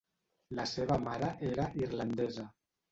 La seva mare era irlandesa.